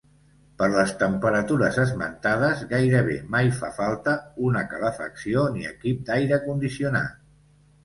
Per les temperatures esmentades gairebé mai fa falta una calefacció ni equip d'aire condicionat.